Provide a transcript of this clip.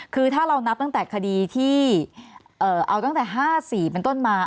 คือถ้าเรานับตั้งแต่คดีที่เอาตั้งแต่๕๔เป็นต้นมา